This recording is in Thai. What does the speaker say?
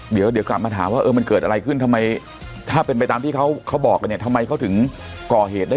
เดือนหน้าครับสืบพยานครั้งแรก